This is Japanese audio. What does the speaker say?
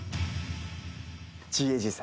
ＧＡＧさん。